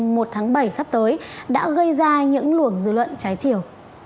mùa một tháng bảy sắp tới đã gây ra những luồng dư luận trái chiều